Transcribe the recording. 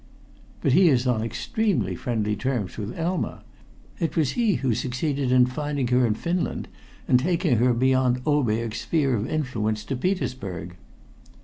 "But he is on extremely friendly terms with Elma. It was he who succeeded in finding her in Finland, and taking her beyond Oberg's sphere of influence to Petersburg."